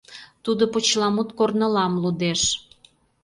Тудо почеламут корнылам лудеш.